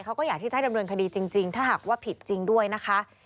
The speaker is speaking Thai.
เขาก็อยากที่จะให้ดำเนินคดีจริงถ้าหากว่าผิดจริงด้วยนะคะ